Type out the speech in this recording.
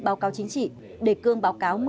báo cáo chính trị đề cương báo cáo